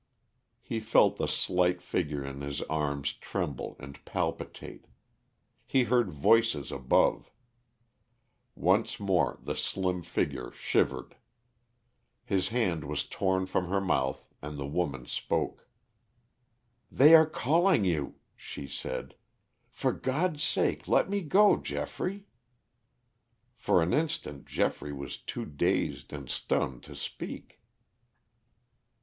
He felt the slight figure in his arms tremble and palpitate; he heard voices above. Once more the slim figure shivered. His hand was torn from her mouth and the woman spoke. "They are calling you," she said; "for God's sake let me go, Geoffrey." For an instant Geoffrey was too dazed and stunned to speak.